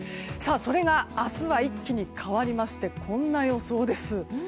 それが明日は一気に変わりましてこんな予想です。